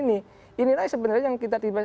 ini inilah sebenarnya yang kita tiba